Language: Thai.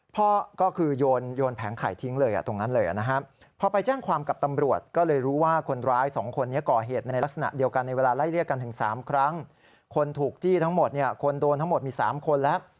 พอก็คือโยนแผงไข่ทิ้งเลยตรงนั้นเลยนะครับ